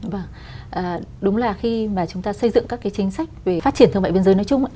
vâng đúng là khi mà chúng ta xây dựng các cái chính sách về phát triển thương mại biên giới nói chung